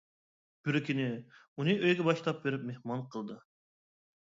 بىر كۈنى ئۇنى ئۆيىگە باشلاپ بېرىپ مېھمان قىلدى.